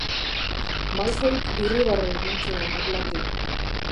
Malfoyk irribarre egin zuen burlati.